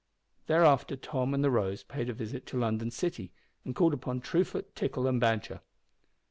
Thereafter Tom and the Rose paid a visit to London City and called upon Truefoot, Tickle, and Badger.